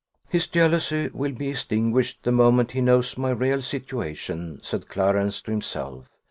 "His jealousy will be extinguished the moment he knows my real situation," said Clarence to himself.